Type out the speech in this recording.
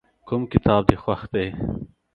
کوم کتاب دې خوښ دی؟